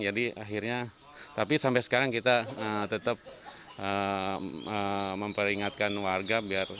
jadi akhirnya tapi sampai sekarang kita tetap memperingatkan warga